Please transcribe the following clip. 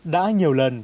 đã nhiều lần